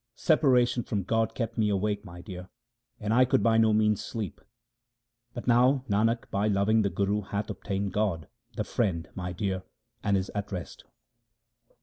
Separation from God kept me awake, my dear, and I could by no means sleep. But now Nanak by loving the Guru hath obtained God, the Friend, my dear, and is at rest.